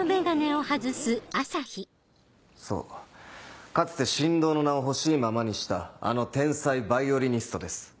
そうかつて神童の名を欲しいままにしたあの天才ヴァイオリニストです。